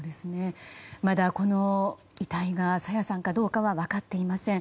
まだこの遺体が朝芽さんかどうかは分かっていません。